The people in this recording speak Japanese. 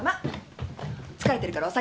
疲れてるからお先。